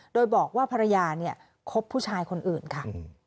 โดยบอกว่าภรรยาคบผู้ชายคนอื่นค่ะ